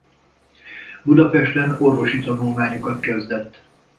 Budapesten orvosi tanulmányokat kezdett.